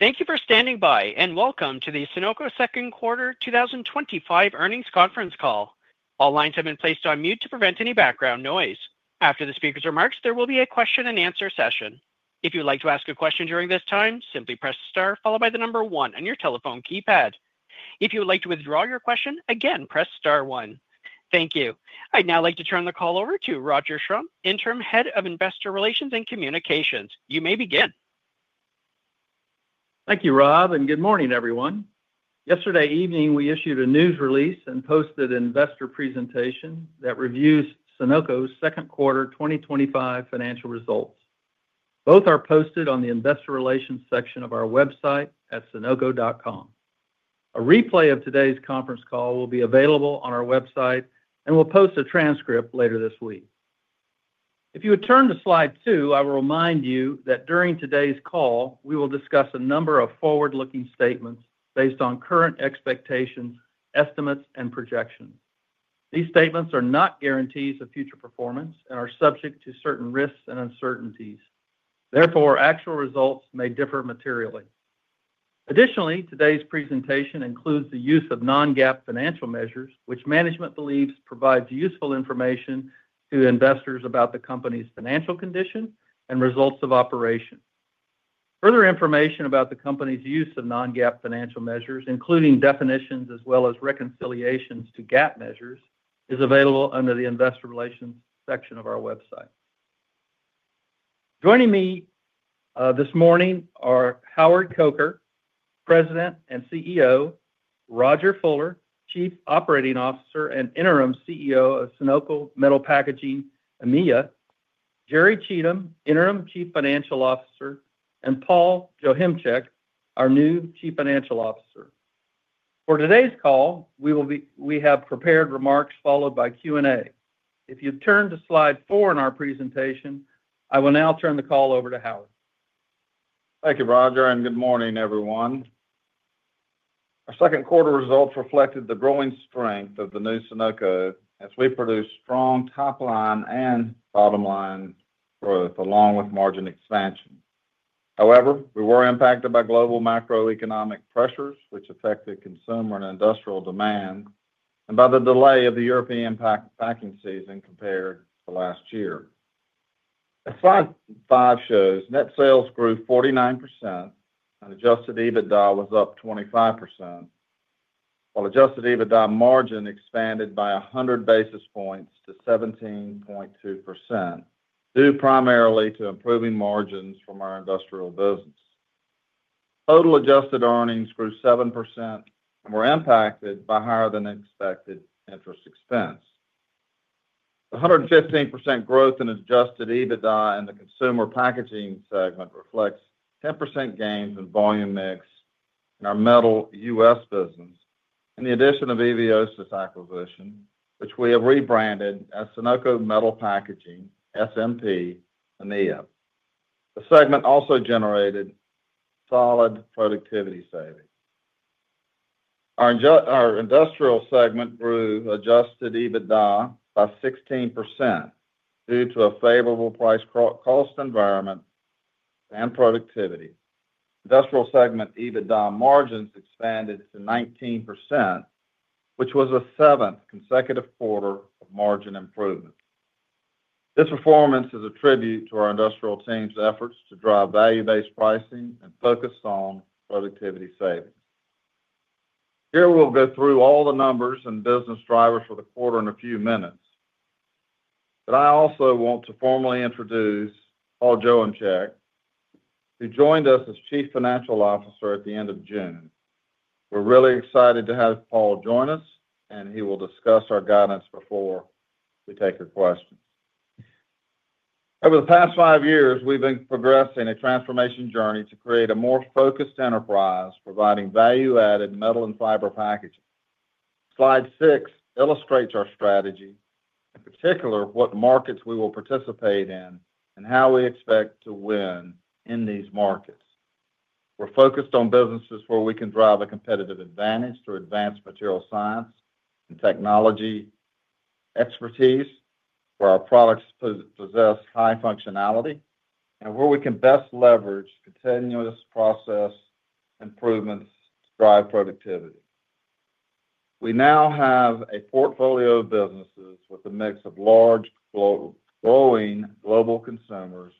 Thank you for standing by, and welcome to the Sonoco Second Quarter twenty twenty five Earnings Conference Call. All lines have been placed on mute to prevent any background noise. After the speakers' remarks, there will be a question and answer Thank you. I'd now like to turn the call over to Roger Schrum, Interim Head of Investor Relations and Communications. You may begin. Thank you, Rob, and good morning, everyone. Yesterday evening, we issued a news release and posted an investor presentation that reviews Sunoco's second quarter twenty twenty five financial results. Both are posted on the Investor Relations section of our website at sunoco.com. A replay of today's conference call will be available on our website, and we'll post a transcript later this week. If you would turn to Slide two, I will remind you that during today's call, we will discuss a number of forward looking statements based on current expectations, estimates and projections. These statements are not guarantees of future performance and are subject to certain risks and uncertainties. Therefore, actual results may differ materially. Additionally, today's presentation includes the use of non GAAP financial measures, which management believes provides useful information to investors about the company's financial condition and results of operation. Further information about the company's use of non GAAP financial measures, including definitions as well as reconciliations to GAAP measures, is available under the Investor Relations section of our website. Joining me this morning are Howard Coker, President and CEO Roger Fuller, Chief Operating Officer and Interim CEO of Sunoco Metal Packaging EMEA Jerry Cheatham, Interim Chief Financial Officer and Paul Johimczak, our new Chief Financial Officer. For today's call, we will be we have prepared remarks followed by Q and A. If you turn to Slide four in our presentation, I will now turn the call over to Howard. Thank you, Roger, and good morning, everyone. Our second quarter results reflected the growing strength of the new Sonoco as we produced strong top line and bottom line growth along with margin expansion. However, we were impacted by global macroeconomic pressures, which affected consumer and industrial demand and by the delay of the European packing season compared to last year. As Slide five shows, net sales grew 49% and adjusted EBITDA was up 25%, while adjusted EBITDA margin expanded by 100 basis points to 17.2 due primarily to improving margins from our Industrial business. Total adjusted earnings grew 7% and were impacted by higher than expected interest expense. The 115% growth in adjusted EBITDA in the Consumer Packaging segment reflects 10% gains in volume mix in our metal U. S. Business and the addition of EVOSA's acquisition, which we have rebranded as Sunoco Metal Packaging, SMP, EMEA. The segment also generated solid productivity savings. Our Industrial segment grew adjusted EBITDA by 16% due to a favorable price cost environment and productivity. Industrial segment EBITDA margins expanded to 19%, which was the seventh consecutive quarter of margin improvement. This performance is a tribute to our industrial team's efforts to drive value based pricing and focus on productivity savings. Here, we'll go through all the numbers and business drivers for the quarter in a few minutes, but I also want to formally introduce Paul Joachic, who joined us as Chief Financial Officer at the June. We're really excited to have Paul join us, and he will discuss our guidance before we take your questions. Over the past five years, we've been progressing a transformation journey to create a more focused enterprise providing value added metal and fiber packaging. Slide six illustrates our strategy, in particular, what markets we will participate in and how we expect to win in these markets. We're focused on businesses where we can drive a competitive advantage through advanced material science and technology expertise, where our products possess high functionality and where we can best leverage continuous process improvements to drive productivity. We now have a portfolio of businesses with a mix of large growing global consumers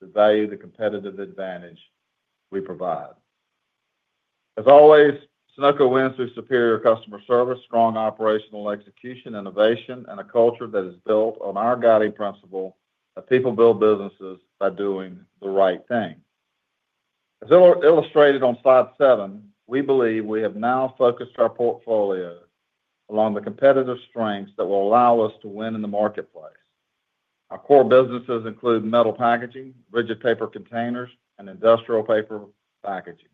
to value the competitive advantage we provide. As always, Sonoco wins through superior customer service, strong operational execution, innovation and a culture that is built on our guiding principle that people build businesses by doing the right thing. As illustrated on Slide seven, we believe we have now focused our portfolio along the competitive strengths that will allow us to win in the marketplace. Our core businesses include metal packaging, rigid paper containers and industrial paper packaging.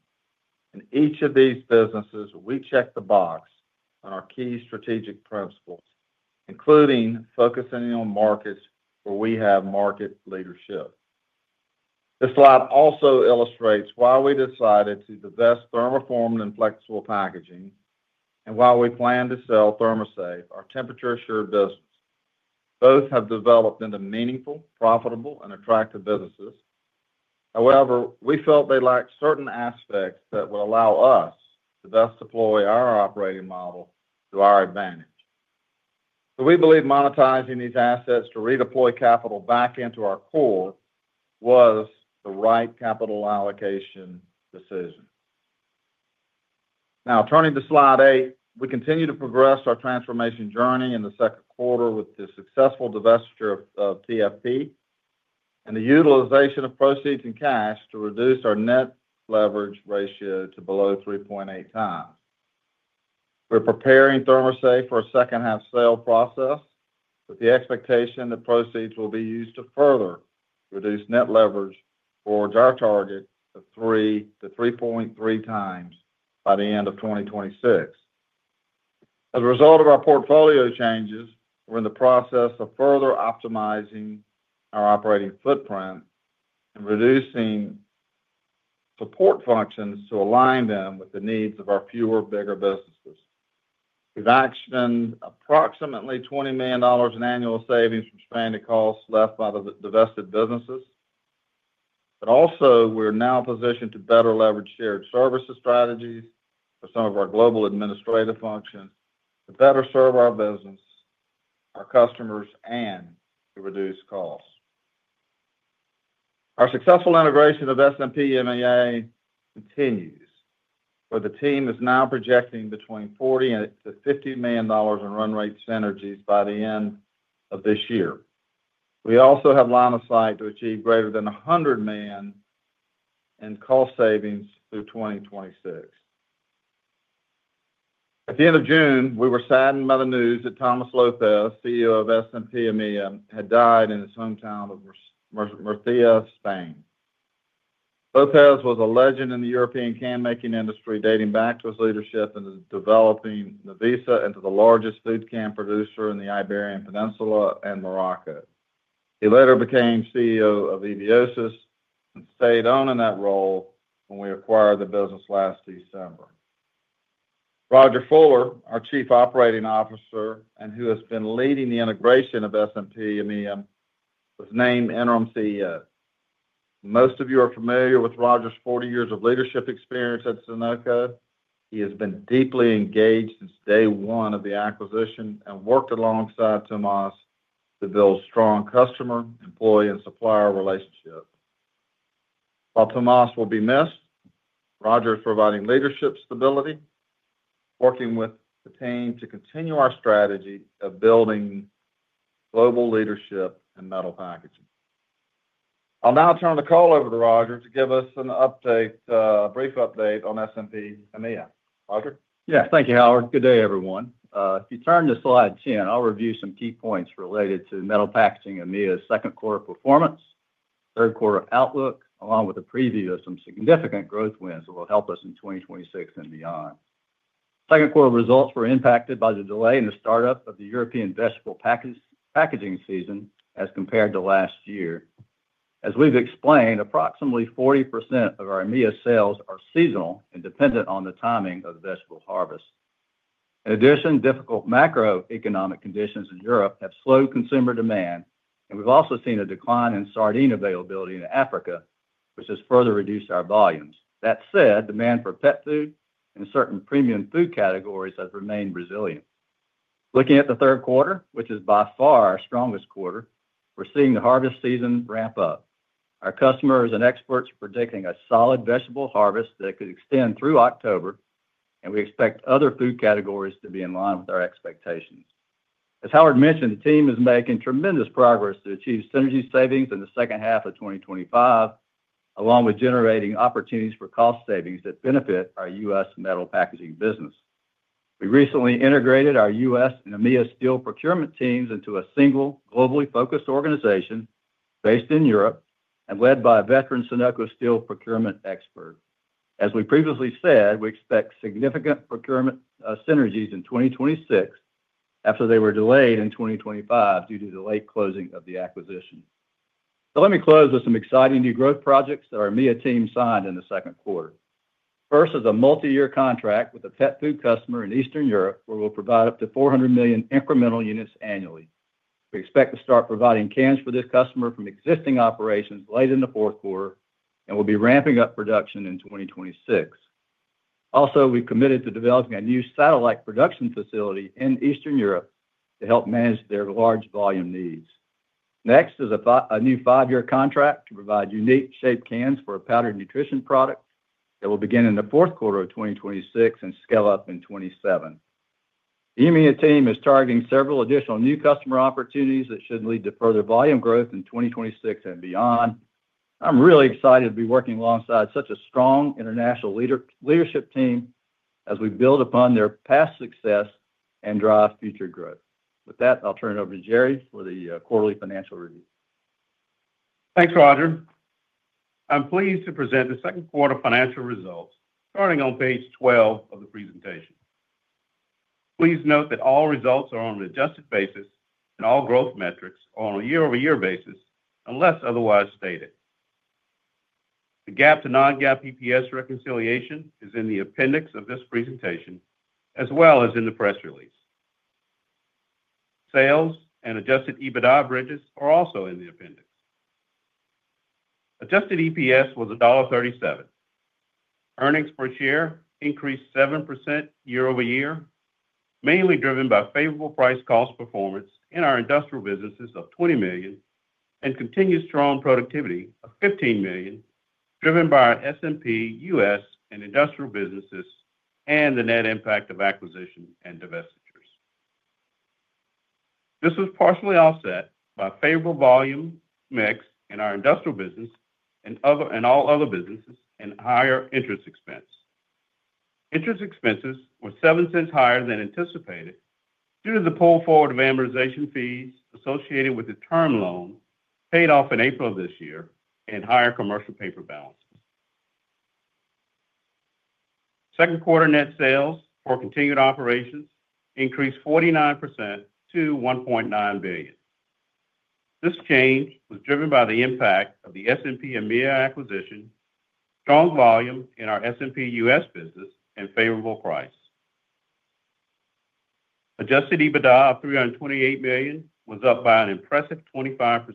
In each of these businesses, we check the box on our key strategic principles, including focusing on markets where we have market leadership. This slide also illustrates why we decided to divest Thermoform and Flexible Packaging and why we plan to sell ThermoSafe, our temperature assured business. Both have developed into meaningful, profitable and attractive businesses. However, we felt they lacked certain aspects that will allow us to thus deploy our operating model to our advantage. So we believe monetizing these assets to redeploy capital back into our core was the right capital allocation decision. Now turning to Slide eight. We continue to progress our transformation journey in the second quarter with the successful divestiture of TFP and the utilization of proceeds and cash to reduce our net leverage ratio to below 3.8 times. We're preparing ThermoSafe for a second half sale process with the expectation that proceeds will be used to further reduce net leverage towards our target of three to 3.3 times by the end of twenty twenty six. As a result of our portfolio changes, we're in the process of further optimizing our operating footprint and reducing support functions to align them with the needs of our fewer bigger businesses. We've actioned approximately $20,000,000 in annual savings from stranded costs left by the divested businesses. But also, we're now positioned to better leverage shared services strategies for some of our global administrative functions to better serve our business, our customers and to reduce costs. Our successful integration of S and P MEA continues, where the team is now projecting between 40,000,000 and and $50,000,000 in run rate synergies by the end of this year. We also have line of sight to achieve greater than $100,000,000 in cost savings through 2026. At the June, we were saddened by the news that Thomas Lopez, CEO of S and P EMEA, had died in his hometown of Murcia, Spain. Lopez was a legend in the European can making industry dating back to his leadership in developing Navisa into the largest food can producer in the Iberian Peninsula and Morocco. He later became CEO of Eviosis and stayed on in that role when we acquired the business last December. Roger Fuller, our Chief Operating Officer and who has been leading the integration of S and P EMEA was named Interim CEO. Most of you are familiar with Roger's forty years of leadership experience at Sunoco. He has been deeply engaged since day one of the acquisition and worked alongside Tomas to build strong customer, employee and supplier relationship. While Tomas will be missed, Roger is providing leadership stability, working with the team to continue our strategy of building global leadership in metal packaging. I'll now turn the call over to Roger to give us an update a brief update on S and P EMEA. Roger? Yes. Thank you, Howard. Good day, everyone. If you turn to Slide 10, I'll review some key points related to Metal Packaging EMEA's second quarter performance, third quarter outlook along with a preview of some significant growth wins that will help us in 2026 and beyond. Second quarter results were impacted by the delay in the startup of the European vegetable packaging season as compared to last year. As we've explained, approximately 40% of our EMEA sales are seasonal and dependent on the timing of the vegetable harvest. In addition difficult macroeconomic conditions in Europe have slowed consumer demand and we've also seen a decline in sardine availability in Africa which has further reduced our volumes. That said demand for pet food and certain premium food categories have remained resilient. Looking at the third quarter, which is by far our strongest quarter, we're seeing the harvest season ramp up. Our customers and experts are predicting a solid vegetable harvest that could extend through October and we expect other food categories to be in line with our expectations. As Howard mentioned, the team is making tremendous progress to achieve synergy savings in the 2025 along with generating opportunities for cost savings that benefit our U. S. Metal Packaging business. We recently integrated our U. S. And EMEA steel procurement teams into a single globally focused organization based in Europe and led by a veteran Sunoco steel procurement expert. As we previously said, we expect significant procurement synergies in 2026 after they were delayed in 2025 due to the late closing of the acquisition. So let me close with some exciting new growth projects that our EMEA team signed in the second quarter. First is a multiyear contract with a pet food customer in Eastern Europe where we'll provide up to $400,000,000 incremental units annually. We expect to start providing cans for this customer from existing operations late in the fourth quarter and we'll be ramping up production in 2026. Also, committed to developing a new satellite production facility in Eastern Europe to help manage their large volume needs. Next is a new five year contract to provide unique shaped cans for a powdered nutrition product that will begin in the 2026 and scale up in '27. The EMEA team is targeting several additional new customer opportunities that should lead to further volume growth in 2026 and beyond. I'm really excited to be working alongside such a strong international leadership team as we build upon their past success and drive future growth. With that, I'll turn it over to Jerry for the quarterly financial review. Thanks, Roger. I'm pleased to present the second quarter financial results starting on Page 12 of the presentation. Please note that all results are on an adjusted basis and all growth metrics are on a year over year basis unless otherwise stated. The GAAP to non GAAP EPS reconciliation is in the appendix of this presentation as well as in the press release. Sales and adjusted EBITDA bridges are also in the appendix. Adjusted EPS was $1.37 Earnings per share increased 7% year over year, mainly driven by favorable pricecost performance in our Industrial businesses of $20,000,000 and continued strong productivity of $15,000,000 driven by our S and P U. S. And industrial businesses and the net impact of acquisition and divestitures. This was partially offset by favorable volume mix in our Industrial business and all other businesses and higher interest expense. Interest expenses were $07 higher than anticipated due to the pull forward of amortization fees associated with the term loan paid off in April and higher commercial paper balances. Second quarter net sales for continued operations increased 49% to $1,900,000,000 This change was driven by the impact of the S and P EMEA acquisition, strong volume in our S and P U. S. Business and favorable price. Adjusted EBITDA of $328,000,000 was up by an impressive 25%.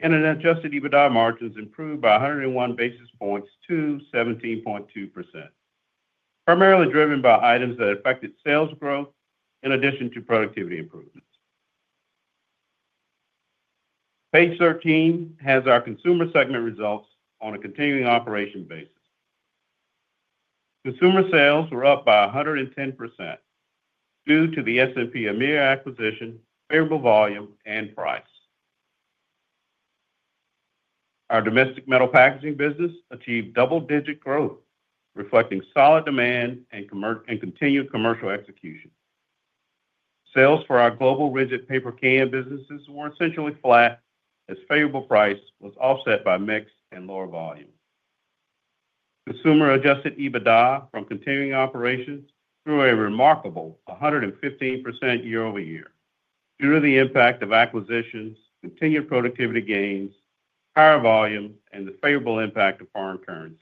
And adjusted EBITDA margins improved by 101 basis points to 17.2%, primarily driven by items that affected sales growth in addition to productivity improvements. Page 13 has our Consumer segment results on a continuing operation basis. Consumer sales were up by 110% due to the S and P EMEA acquisition, favorable volume and price. Our domestic Metal Packaging business achieved double digit growth, reflecting solid demand and continued commercial execution. Sales for our global rigid paper can businesses were essentially flat as favorable price was offset by mix and lower volume. Consumer adjusted EBITDA from continuing operations grew a remarkable 115% year over year due to the impact of acquisitions, continued productivity gains, higher volume and the favorable impact of foreign currency.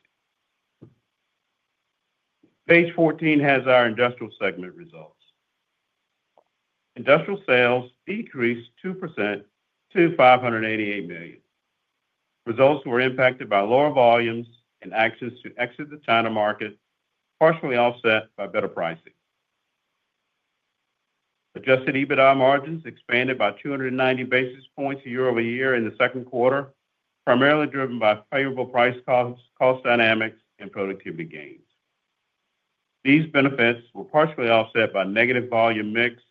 Page fourteen has our Industrial segment results. Industrial sales decreased 2% to $588,000,000 Results were impacted by lower volumes and actions to exit the China market, partially offset by better pricing. Adjusted EBITDA margins expanded by two ninety basis points year over year in the second quarter, primarily driven by favorable pricecosts, cost dynamics and productivity gains. These benefits were partially offset by negative volume mix.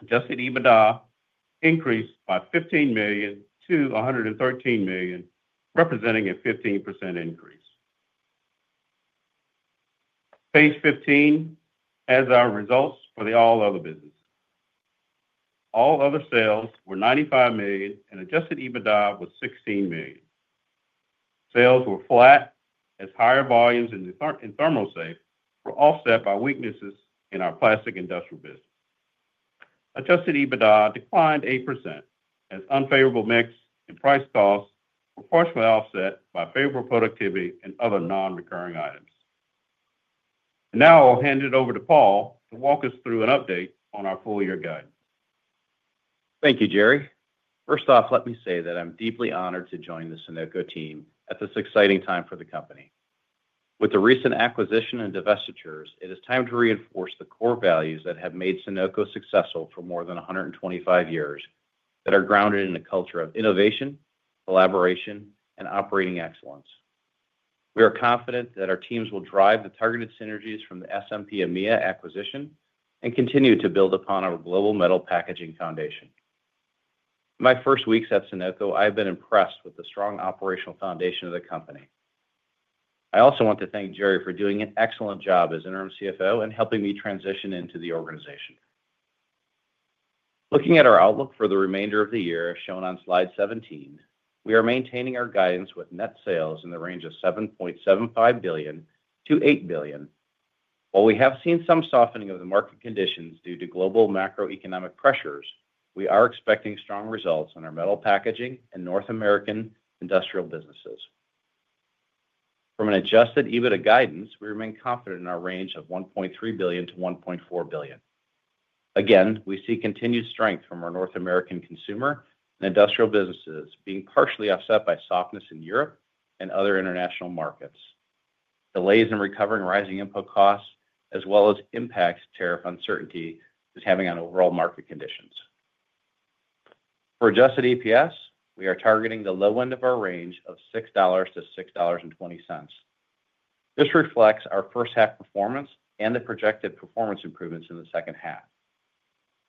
Adjusted EBITDA increased by $15,000,000 to $113,000,000 representing a 15% increase. Page 15 has our results for the All Other business. All Other sales were $95,000,000 and adjusted EBITDA was $16,000,000 Sales were flat as higher volumes in ThermoSafe were offset by weaknesses in our Plastic Industrial business. Adjusted EBITDA declined 8% as unfavorable mix and pricecosts were partially offset by favorable productivity and other nonrecurring items. Now I'll hand it over to Paul to walk us through an update on our full year guidance. Thank you, Jerry. First off, let me say that I'm deeply honored to join the Sunoco team at this exciting time for the company. With the recent acquisition and divestitures, it is time to reinforce the core values that have made Sunoco successful for more than one hundred and twenty five years that are grounded in a culture of innovation, collaboration and operating excellence. We are confident that our teams will drive the targeted synergies from the SMP EMEA acquisition and continue to build upon our global metal packaging foundation. In my first weeks at Sunoco, I've been impressed with the strong operational foundation of the company. I also want to thank Jerry for doing an excellent job as Interim CFO and helping me transition into the organization. Looking at our outlook for the remainder of the year, as shown on Slide 17, we are maintaining our guidance with net sales in the range of $7,750,000,000 to 8,000,000,000 While we have seen some softening of the market conditions due to global macroeconomic pressures, we are expecting strong results in our Metal Packaging and North American Industrial businesses. From an adjusted EBITDA guidance, we remain confident in our range of $1,300,000,000 to $1,400,000,000 Again, we see continued strength from our North American consumer and industrial businesses being partially offset by softness in Europe and other international markets. Delays in recovering rising input costs as well as impacts tariff uncertainty is having on overall market conditions. For adjusted EPS, we are targeting the low end of our range of $6 to $6.2 This reflects our first half performance and the projected performance improvements in the second half.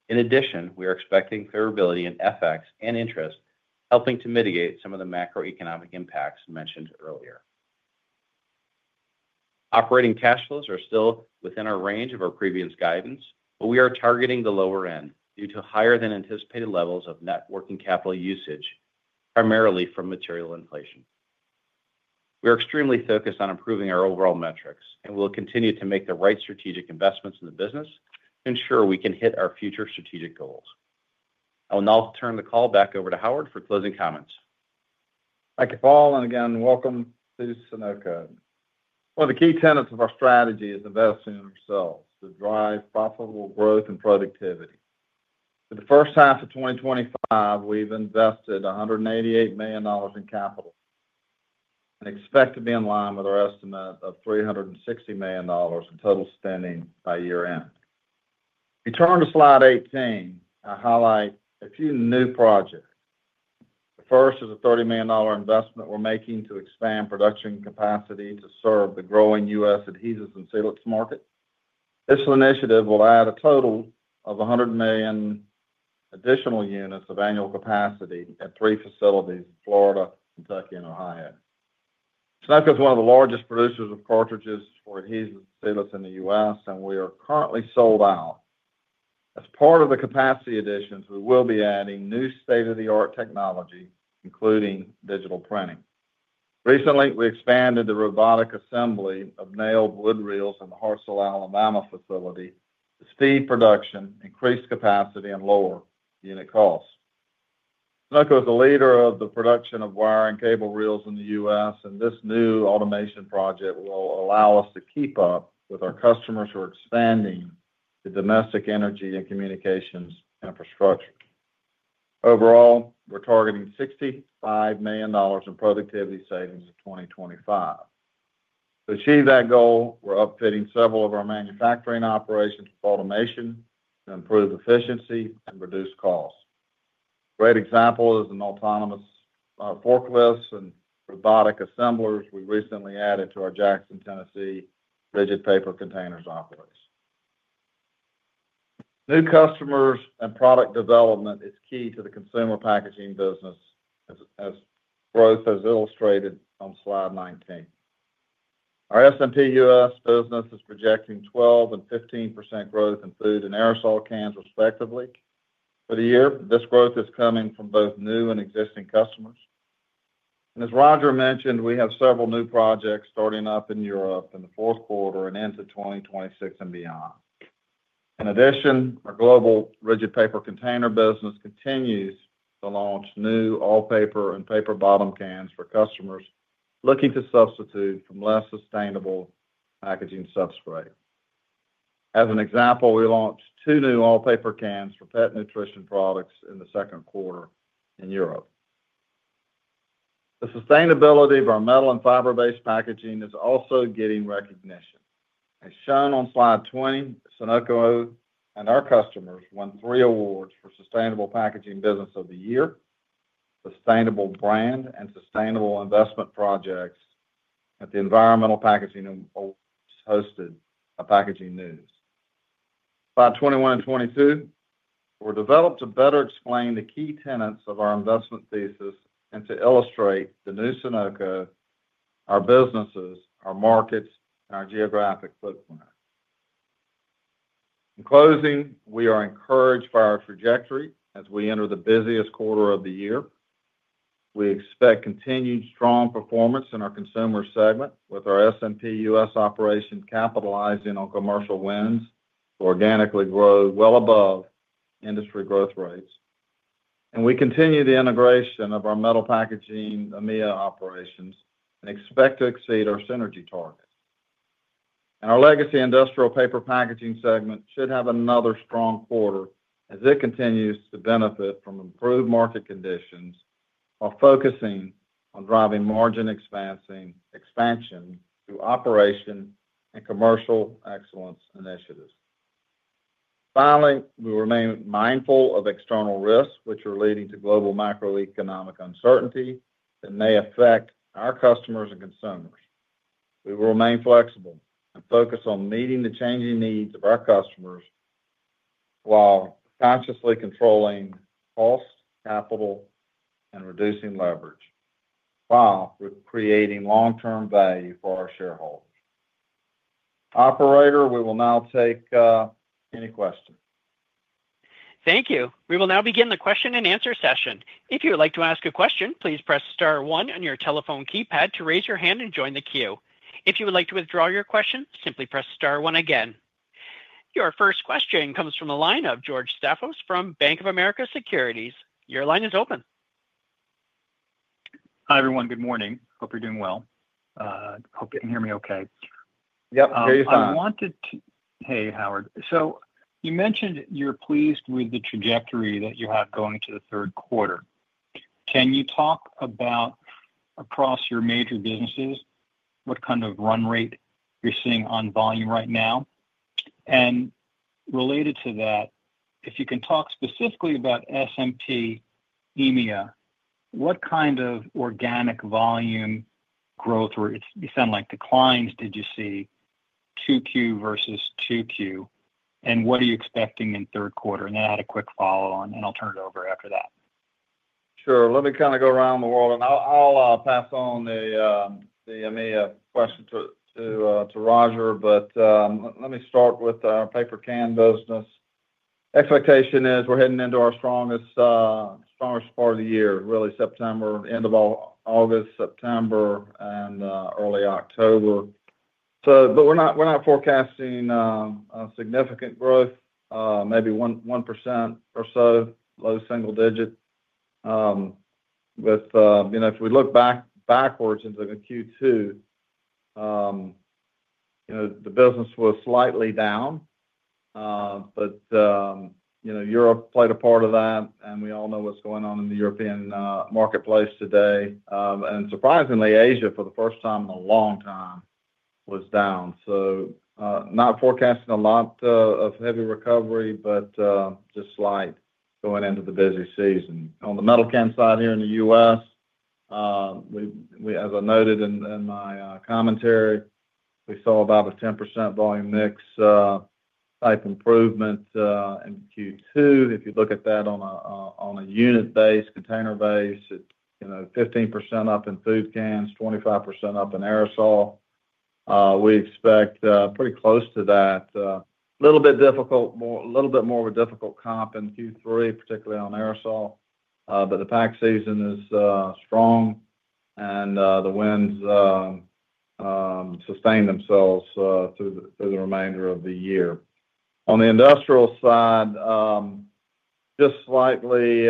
In addition, we are expecting favorability in FX and interest helping to mitigate some of the macroeconomic impacts mentioned earlier. Operating cash flows are still within our range of our previous guidance, but we are targeting the lower end due to higher than anticipated levels of net working capital usage, primarily from material inflation. We are extremely focused on improving our overall metrics, and we'll continue to make the right strategic investments in the business to ensure we can hit our future strategic goals. I will now turn the call back over to Howard for closing comments. Thank you, Paul, and again, welcome to Sunoco. One of the key tenets of our strategy is investing in ourselves to drive profitable growth and productivity. For the first half of twenty twenty five, we've invested $188,000,000 in capital and expect to be in line with our estimate of $360,000,000 in total spending by year end. If you turn to Slide 18, I highlight a few new projects. The first is a $30,000,000 investment we're making to expand production capacity to serve the growing U. S. Adhesives and sealants market. This initiative will add a total of 100,000,000 additional units of annual capacity at three facilities in Florida, Kentucky and Ohio. Seneca is one of the largest producers of cartridges for adhesive sealants in The U. S. And we are currently sold out. As part of the capacity additions, we will be adding new state of the art technology including digital printing. Recently, we expanded the robotic assembly of nail wood reels in the Harsel, Alabama facility to speed production, increase capacity and lower unit cost. Sunoco is the leader of the production of wire and cable reels in The U. S. And this new automation project will allow us to keep up with our customers who are expanding the domestic energy and communications infrastructure. Overall, we're targeting $65,000,000 in productivity savings in 2025. To achieve that goal, we're upfitting several of our manufacturing operations automation to improve efficiency and reduce costs. Great example is an autonomous forklifts and robotic assemblers we recently added to our Jackson, Tennessee rigid paper containers offerings. New customers and product development is key to the Consumer Packaging business as growth is illustrated on Slide 19. Our S and P U. S. Business is projecting 1215% growth in food and aerosol cans respectively. For the year, this growth is coming from both new and existing customers. And as Roger mentioned, we have several new projects starting up in Europe in the fourth quarter and into 2026 and beyond. In addition, our global rigid paper container business continues to launch new all paper and paper bottom cans for customers looking to substitute from less sustainable packaging substrate. As an example, we launched two new all paper cans for pet nutrition products in the second quarter in Europe. The sustainability of our metal and fiber based packaging is also getting recognition. As shown on Slide 20, Sonoco and our customers won three awards for sustainable packaging business of the year, sustainable brand and sustainable investment projects at the Environmental Packaging hosted a Packaging News. Slide twenty one and twenty two were developed to better explain the key tenets of our investment thesis and to illustrate the new Sonoco, our businesses, our markets and our geographic footprint. In closing, we are encouraged by our trajectory as we enter the busiest quarter of the year. We expect continued strong performance in our Consumer segment with our S and P U. S. Operation capitalizing on commercial wins organically grow well above industry growth rates. And we continue the integration of our Metal Packaging EMEA operations and expect to exceed our synergy targets. And our legacy Industrial Paper Packaging segment should have another strong quarter as it continues to benefit from improved market conditions while focusing on driving margin expansion through operation and commercial excellence initiatives. Finally, we remain mindful of external risks which are leading to global macroeconomic uncertainty that may affect our customers and consumers. We will remain flexible and focus on meeting the changing needs of our customers while consciously controlling cost, capital and reducing leverage, while creating long term value for our shareholders. Operator, we will now take any questions. Thank you. We will now begin the question and answer session. Your first question comes from the line of George Staphos from Bank of America Securities. Your line is open. Hi, everyone. Good morning. Hope you're doing well. Hope you can hear me okay. Yes. Hear you fine. I wanted to hey, Howard. So you mentioned you're pleased with the trajectory that you have going into the third quarter. Can you talk about across your major businesses, what kind of run rate you're seeing on volume right now? And related to that, if you can talk specifically about SMT EMEA, what kind of organic volume growth or it sounded like declines did you see 2Q versus 2Q? And what are you expecting in third quarter? And then I had a quick follow on, and I'll turn it over after that. Sure. Let me kind of go around the world, and I'll pass on the EMEA question to Roger. But let me start with our paper can business. Expectation is we're heading into our strongest part of the year, really September August, September and early October. So but we're forecasting a significant growth, maybe 1% or so, single digit. With if we look backwards into the Q2, the business was slightly down. But Europe played a part of that and we all know what's going on in the European marketplace today. And surprisingly, Asia for the first time in a long time was down. So not forecasting a lot of heavy recovery, but just slight going into the busy season. On the metal can side here in The U. S, as I noted in my commentary, we saw about a 10% volume mix type improvement in Q2. If you look at that on a unit base, container base, 15% up in food cans, 25% up in aerosol. We expect pretty close to that. A little bit difficult a little bit more of a difficult comp in Q3, particularly on aerosol, But the pack season is strong and the winds sustain themselves through the remainder of the year. On the industrial side, just slightly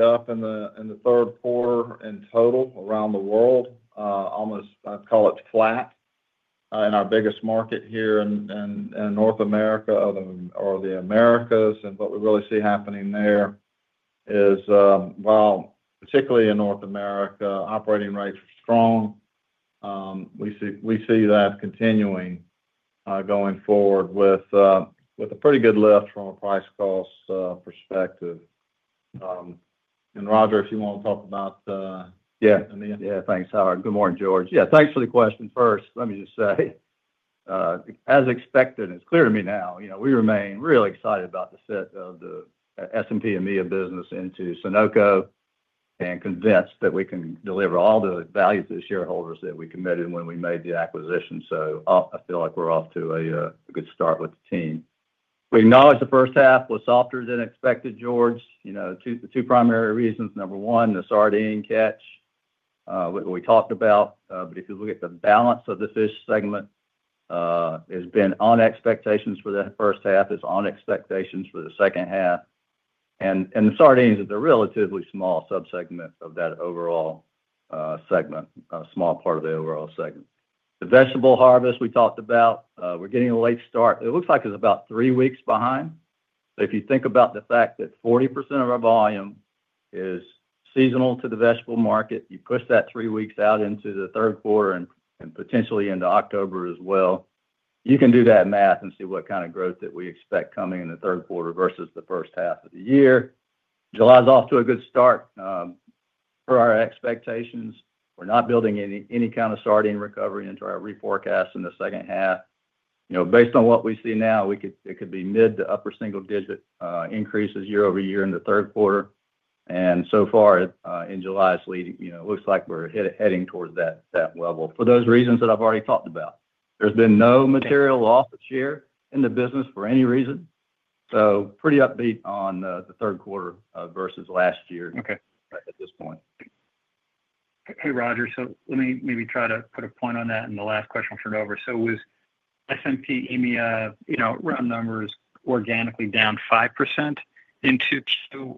up in the third quarter in total around the world, almost, I'd call it flat. And our biggest market here in North America are The Americas. What we really see happening there is while particularly in North America operating rates are strong, we see that continuing going forward with a pretty good lift from a pricecost perspective. And Roger, if you want to talk about Yes. Thanks, Howard. Good morning, George. Yes, thanks for the question first. Let me just say, as expected and it's clear to me now, we remain really excited about the fit of the S and P EMEA business into Sunoco and convinced that we can deliver all the value to the shareholders that we committed when we made the acquisition. So I feel like we're off to a good start with the team. We acknowledge the first half was softer than expected, George. The two primary reasons: number one, the sardine catch that we talked about. But if you look at the balance of the fish segment, it's been on expectations for the first half, it's on expectations for the second half. And the sardines are the relatively small sub segment of that overall segment, a small part of the overall segment. The vegetable harvest we talked about, we're getting a late start. It looks like it's about three weeks behind. If you think about the fact that 40% of our volume is seasonal to the vegetable market, you push that three weeks out into the third quarter and potentially into October as well. You can do that math and see what kind of growth that we expect coming in the third quarter versus the first half of the year. July is off to a good start. For our expectations, We're not building any kind of starting recovery into our reforecast in the second half. Based on what we see now, it could be mid to upper single digit increases year over year in the third quarter. And so far in July, it looks like we're heading towards that level for those reasons that I've already talked about. There's been no material loss of share in the business for any reason. So pretty upbeat on the third quarter versus last year at this point. Hey, Roger. So let me maybe try to put a point on that and the last question I'll turn over. So with S and P EMEA round numbers organically down 5% into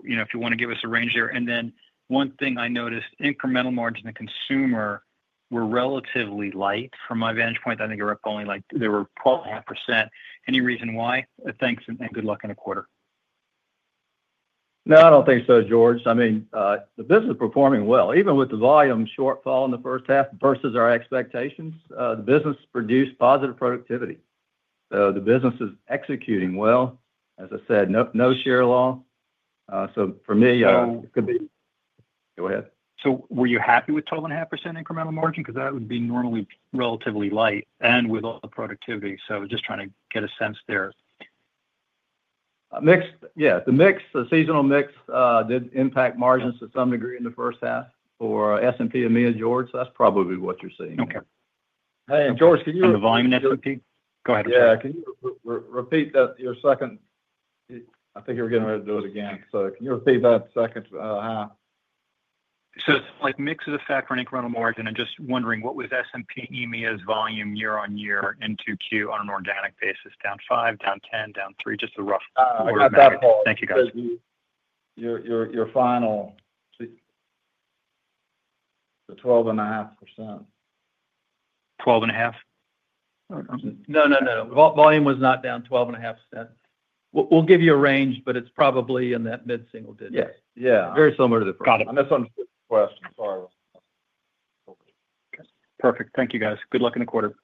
if you want to give us a range there. And then one thing I noticed, incremental margin in consumer were relatively light from my vantage point. I think they were up only like they were 12.5%. Any reason why? No, don't think so George. I mean the business is performing well even with the volume shortfall in the first half versus our expectations. The business produced positive productivity. The business is executing well. As I said, no share law. For me, it could be ahead. So were you happy with 12.5% incremental margin? Because that would be normally relatively light and with all the productivity. So I was just trying to get a sense there. Mixed, yes, the mix, the seasonal mix did impact margins to some degree in the first half for S and P EMEA, George. That's probably what you're seeing. Okay. And George, can you repeat that your second I think you're getting ready to do it again. So can you repeat that second? So it's like mix of the factor in incremental margin. I'm just wondering what was S and P EMEA's volume year on year in 2Q on an organic basis, down 5%, down 10%, down three just a rough order of magnitude? Thank you, Your final the 12.5%. 12.5 No, no, no. Volume was not down 12.5%. We'll give you a range, but it's probably in that mid single digit. Yes. Very similar to the Got it. Misunderstood question. Perfect. Thank you, guys. Good luck in the quarter.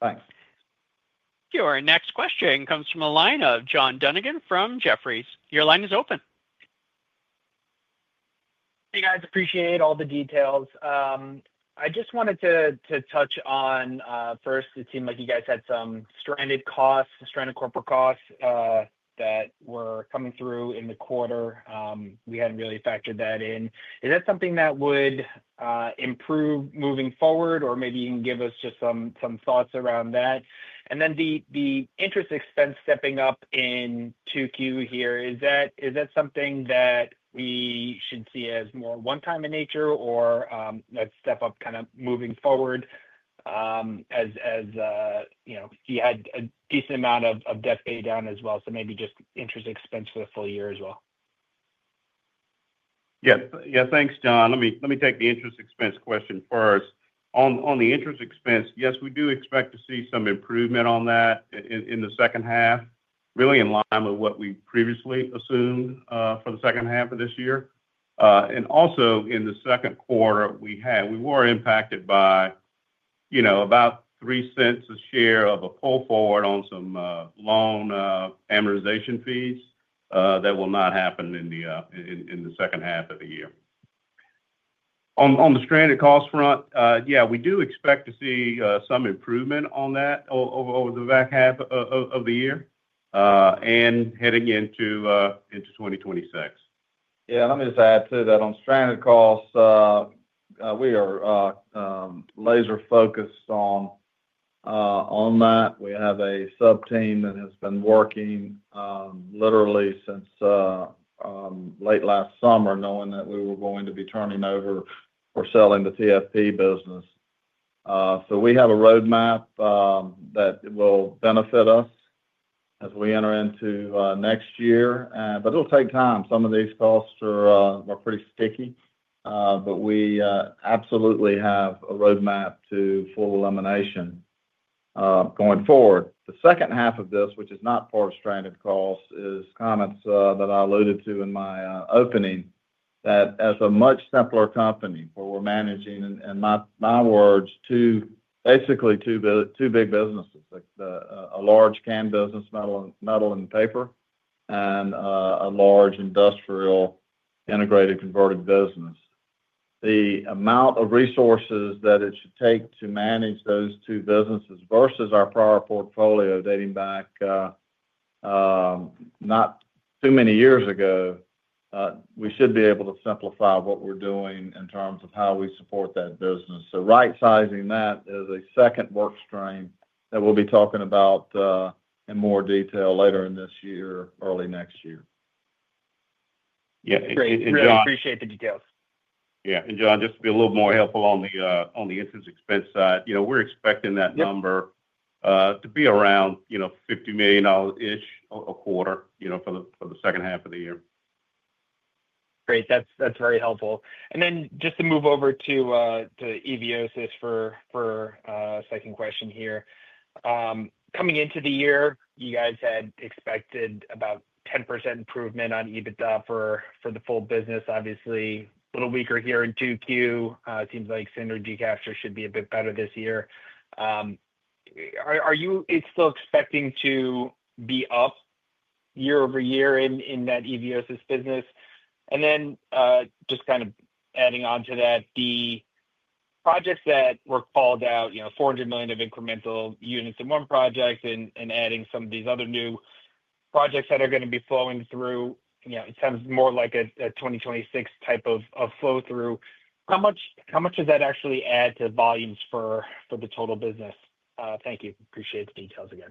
Thanks. Your next question comes from the line of John Dunnigan from Jefferies. Your line is open. Hey, guys. Appreciate all the details. I just wanted to touch on, first, it seemed like you guys had some stranded costs, stranded corporate costs that were coming through in the quarter. We hadn't really factored that in. Is that something that would improve moving forward? Or maybe you can give us just some thoughts around that? And then the interest expense stepping up in 2Q here, is that something that we should see as more one time in nature or that step up kind of moving forward as you had a decent amount of debt pay down as well, so maybe just interest expense for the full year as well? Yes. Thanks, John. Let take the interest expense question first. On the interest expense, yes, do expect to see some improvement on that in the second half, really in line with what we previously assumed for the second half of this year. And also in the second quarter, had we were impacted by about $03 a share of a pull forward on some loan amortization fees that will not happen in the second half of the year. On the stranded cost front, yes, we do expect to see some improvement on that over the back half of the year and heading into 2026. Yes. And let me just add to that on stranded costs, we are laser focused on that. We have a sub team that has been working literally since late last summer knowing that we were going to be turning over or selling the TFP business. So we have a roadmap that will benefit us as we enter into next year, but it will take time. Some of these costs are pretty sticky, but we absolutely have a roadmap to full elimination going forward. The second half of this, which is not part of stranded costs, is comments that I alluded to in my opening that as a much simpler company where we're managing in my words two basically two big businesses, like a large can business, metal and paper and a large industrial integrated converted business. The amount of resources that it should take to manage those two businesses versus our prior portfolio dating back not too many years ago, we should be able to simplify what we're doing in terms of how we support that business. So rightsizing that is a second work stream that we'll be talking about in more detail later in this year, early next year. Great. Appreciate the details. Yes. And John, just to be a little more helpful on the interest expense side, we're expecting that number to be around $50,000,000 ish a quarter for the second half of the year. Great. That's very helpful. And then just to move over to EVOSAs for second question here. Coming into the year, you guys had expected about 10% improvement on EBITDA for the full business, obviously, a little weaker here in 2Q. It seems like Synergycaster should be a bit better this year. Are you still expecting to be up year over year in that EVO's business? And then, just kind of adding on to that, the projects that were called out, 400,000,000 of incremental units in one project and adding some of these other new projects that are going to be flowing through, it sounds more like a twenty twenty six type of flow through. How much does that actually add to volumes for the total business? Thank you. Appreciate the details again.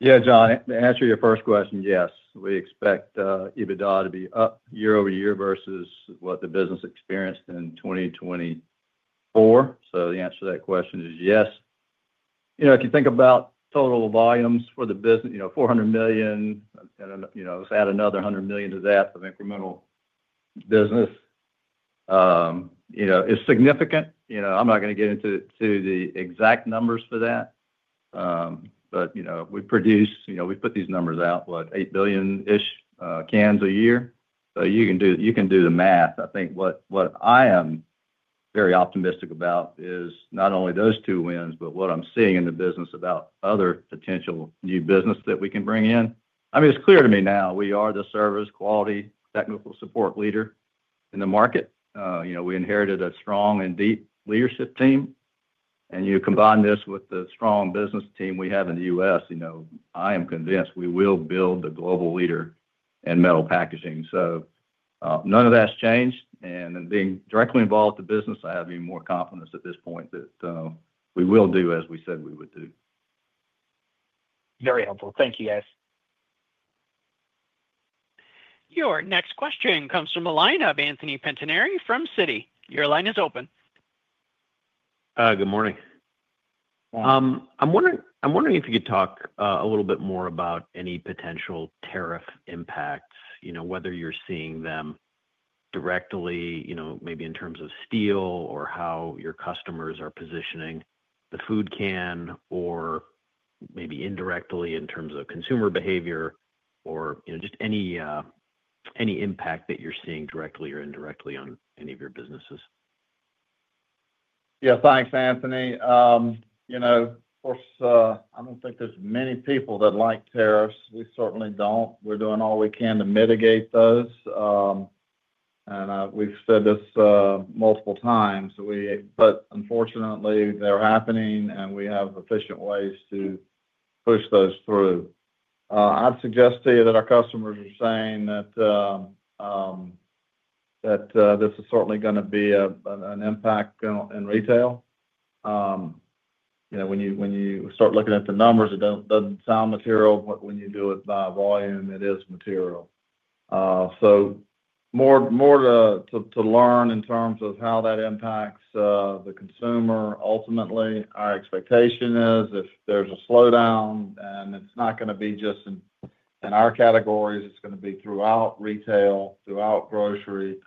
Yes, John. To answer your first question, yes, we expect EBITDA to be up year over year versus what the business experienced in 2024. So the answer to that question is yes. If you think about total volumes for the business $400,000,000 let's add another $100,000,000 to that of incremental business is significant. I'm not going to get into the exact numbers for that. But we produce we put these numbers out what 8,000,000,000 ish cans a year. You can do the math. Think what I am very optimistic about is not only those two wins but what I'm seeing in the business about other potential new business that we can bring in. I mean it's clear to me now we are the service quality technical support leader in the market. We inherited a strong and deep leadership team and you combine this with the strong business team we have in The U. S, I am convinced we will build the global leader in metal packaging. So none of that's changed and being directly involved with the business, have even more confidence at this point that we will do as we said we would do. Very helpful. Thank you, guys. Your next question comes from the line of Anthony Pettinari from Citi. Your line is open. Good morning. I'm wondering if you could talk a little bit more about any potential tariff impacts, whether you're seeing them directly maybe in terms of steel or how your customers are positioning the food can or maybe indirectly in terms of consumer behavior or just any impact that you're seeing directly or indirectly on any of your businesses? Yes. Thanks, Anthony. Of course, I don't think there's many people that like tariffs. We certainly don't. We're doing all we can to mitigate those. And we've said this multiple times. But unfortunately, they're happening and we have efficient ways to push those through. I'd suggest to you that our customers are saying that this is certainly going to be an impact in retail. When you start looking at the numbers, it doesn't sound material, but when you do it by volume, it is material. So more to learn in terms of how that impacts the consumer ultimately. Our expectation is if there's a slowdown and it's not going to be just in our categories, it's going to be throughout retail, throughout grocery.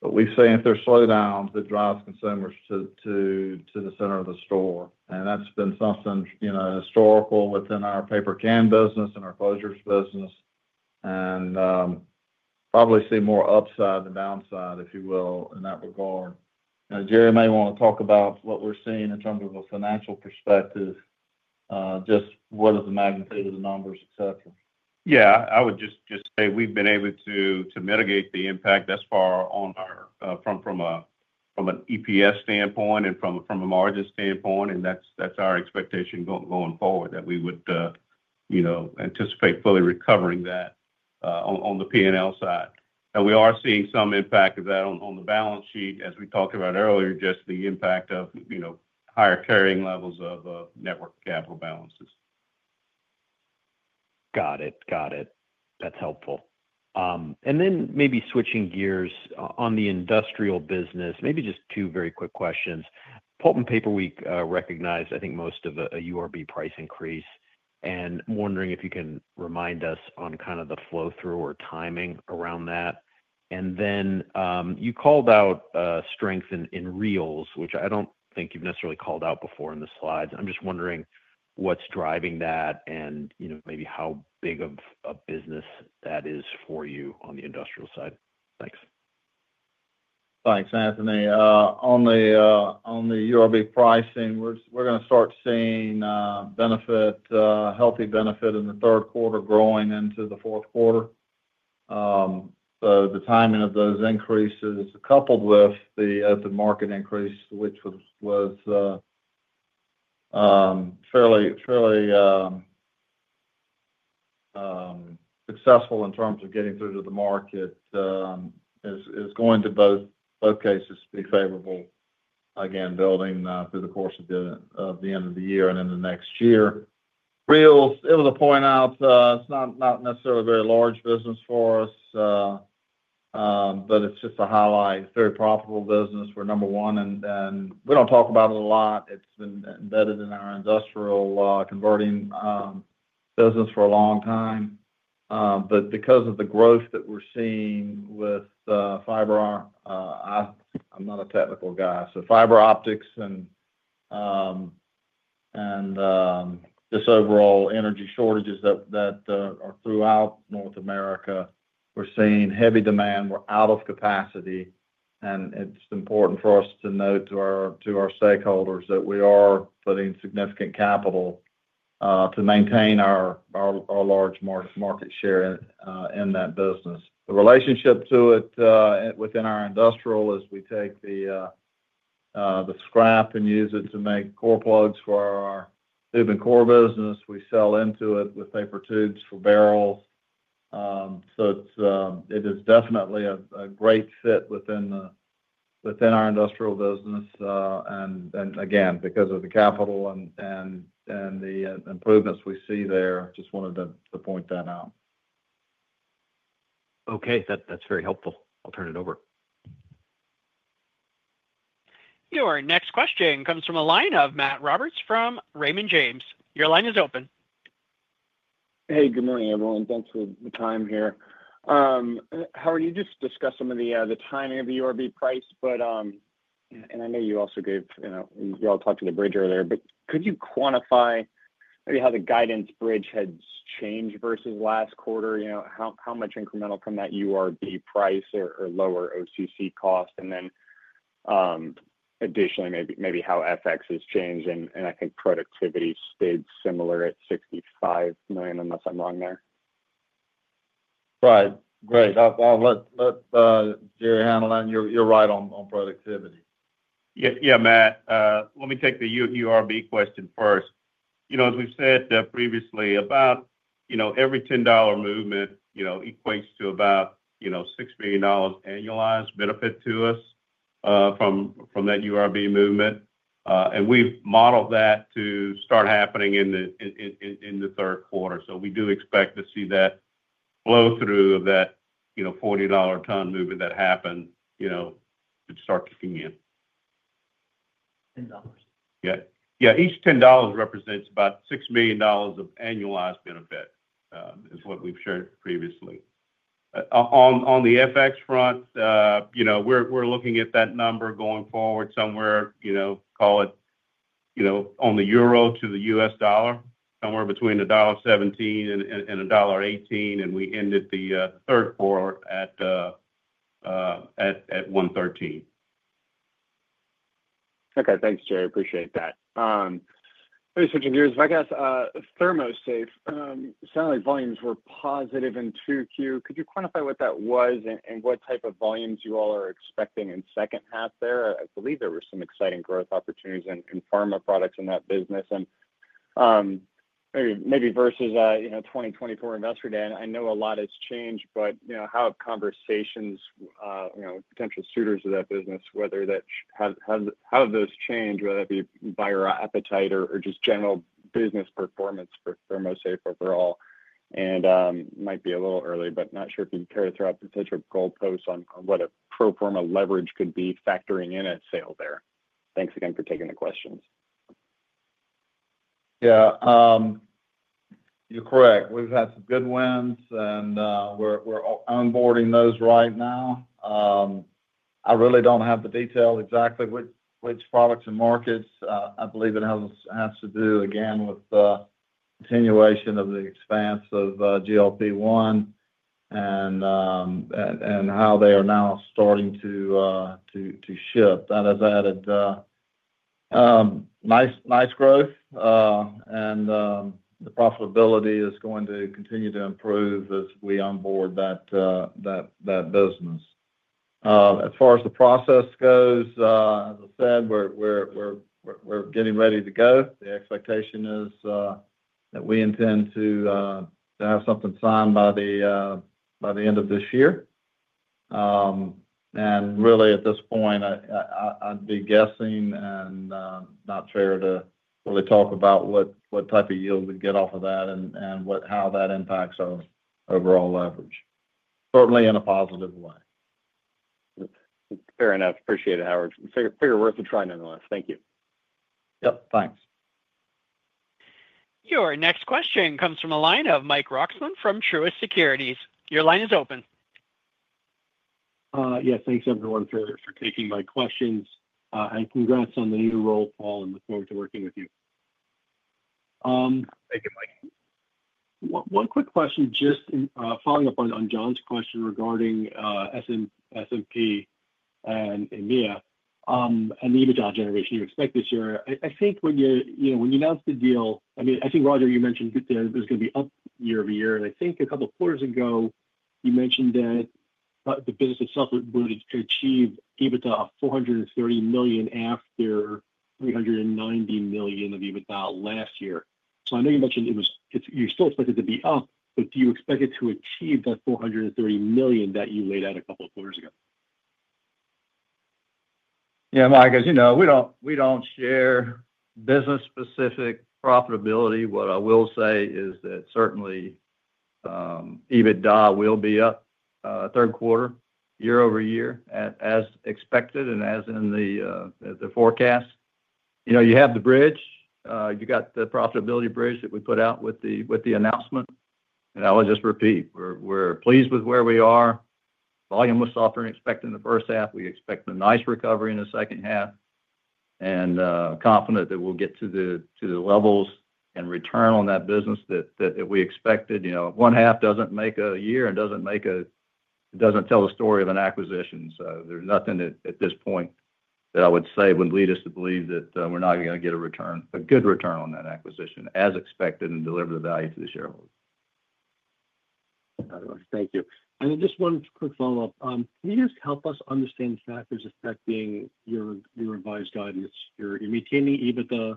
But we say if there's slowdowns, it drives consumers to the center of the store. And that's been something historical within our paper can business and our closures business and probably see more upside than downside, if you will, in that regard. Jerry, you may want to talk about what we're seeing in terms of a financial perspective, just what is the magnitude of the numbers, etcetera? Yes. I would just say we've been able to mitigate the impact thus far on our from an EPS standpoint and from a margin standpoint, and that's our expectation going forward that we would anticipate fully recovering that on the P and L side. And we are seeing some impact of that on the balance sheet as we talked about earlier, just the impact of higher carrying levels of network capital balances. Got it. Got it. That's helpful. And then maybe switching gears on the industrial business, maybe just two very quick questions. Pulp and Paper Week recognized, I think, most of a URB price increase. And wondering if you can remind us on kind of the flow through or timing around that. And then, you called out strength in reels, which I don't think you've necessarily called out before in the slides. I'm just wondering what's driving that and maybe how big of a business that is for you on the industrial side? Thanks. Thanks, Anthony. On the URB pricing, we're going to start seeing benefit healthy benefit in the third quarter growing into the fourth quarter. The timing of those increases coupled with the market increase, which was fairly successful in terms of getting through to the market. It's going to both cases to be favorable, again, building through the course of the end of the year and into next year. Real able to point out, it's not necessarily a very large business for us, but it's just a highlight, very profitable business. We're number one. And we don't talk about it a lot. It's been embedded in our industrial converting business for a long time. But because of the growth that we're seeing with fiber I'm not a technical guy. So fiber optics and this overall energy shortages that are throughout North America, we're seeing heavy demand. We're out of capacity and it's important for us to note to our stakeholders that we are significant capital to maintain our large market share in that business. The relationship to it within our industrial as we take the scrap and use it to make core plugs for our moving core business. We sell into it with paper tubes for barrels. So it is definitely a great fit within our industrial business. And again, because of the capital and the improvements we see there, just wanted to point that out. Okay. That's very helpful. I'll turn it over. Your next question comes from the line of Matt Roberts from Raymond James. Your line is open. Hey, good morning everyone. Thanks for the time here. Howard, you just discussed some of the timing of the ORB price, but and I know you also gave you all talked to the bridge earlier, but could you quantify maybe how the guidance bridge had changed versus last quarter? How much incremental from that URB price or lower OCC cost? And then additionally, maybe how FX has changed? I think productivity stayed similar at $65,000,000 unless I'm wrong there. Right. Great. I'll let Jerry handle that. You're right on productivity. Yes, Matt. Let me take the URB question first. As we've said previously, about every $10 movement equates to about $6,000,000 annualized benefit to us from that URB movement. And we've modeled that to start happening in the third quarter. So we do expect to see that flow through of that $40 a ton movement that happened to start kicking in. Dollars 10. Yes. Each $10 represents about $6,000,000 of annualized benefit is what we've shared previously. On the FX front, we're looking at that number going forward somewhere, call it, on the euro to the U. S. Dollar, somewhere between $1.17 and $1.18 and we ended the third quarter at $1.13 Okay. Thanks, Jerry. Appreciate that. Maybe switching gears. If I guess, ThermoSafe, sounds like volumes were positive in 2Q. Could you quantify what that was and what type of volumes you all are expecting in second half there? I believe there were some exciting growth opportunities in pharma products in that business. And maybe versus twenty twenty four Investor Day, I know a lot has changed, but how have conversations potential suitors of that business, whether that how have those changed, whether it be buyer appetite or just general business performance for Mosaic overall? And it might be a little early, but not sure if you can characterize your goalposts on what a pro form a leverage could be factoring in a sale there? Thanks again for taking the questions. Yes. You're correct. We've had some good wins and we're onboarding those right now. I really don't have the detail exactly which products and markets. I believe it has to do again with the continuation of the expanse of GLP-one and how they are now starting to ship. That has added nice growth and the profitability is going to continue to improve as we onboard that business. As far as the process goes, as I said, we're getting ready to go. The expectation is that we intend to have something signed by the end of this year. And really at this point, I'd be guessing and not fair to really talk about what type of yield we get off of that and what how that impacts our overall leverage, certainly in a positive way. Fair enough. Appreciate it, Howard. Thank Fair you. Yes. Thanks. Your next question comes from the line of Mike Roxman from Truist Securities. Your line is open. Yes. Thanks everyone for taking my questions. And congrats on the new role, Paul, and look forward to working with you. Thank you, Mike. One quick question, just following up on John's question regarding S and P and EMEA and the EBITDA generation you expect this year. I think when you announced the deal, I I think, Roger, you mentioned that it was going be up year over year. And I think a couple of quarters ago, you mentioned that the business itself achieved EBITDA of $430,000,000 after three ninety million dollars of EBITDA last year. So I know you mentioned it was you still expect it to be up, but do you expect it to achieve that $430,000,000 that you laid out a couple of quarters ago? Mike, as you know, we don't share business specific profitability. What I will say is that certainly EBITDA will be up third quarter year over year as expected and as in the forecast. You have the bridge. You got the profitability bridge that we put out with announcement. And I will just repeat, we're pleased with where we are. Volume was softer than expected in the first half. We expect a nice recovery in the second half and confident that we'll get to the levels and return on that business that we expected. One half doesn't make a year and doesn't make a doesn't tell the story of an acquisition. So there's nothing at this point that I would say would lead us to believe that we're not going to get a return a good return on that acquisition as expected and deliver the value to the shareholders. Thank you. And then just one quick follow-up. Can you just help us understand factors affecting your revised guidance? You're retaining EBITDA,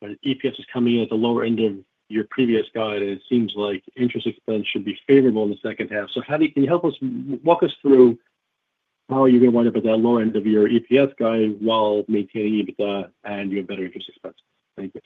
but EPS is coming in at the lower end of your previous guidance. It seems like interest expense should be favorable in the second half. So how do you can you help us walk us through how you're going wind up at that low end of your EPS guidance while maintaining EBITDA and your better interest expense? Thank you.